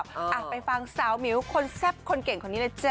อ่ะไปฟังสาวหมิวคนแซ่บคนเก่งคนนี้เลยจ้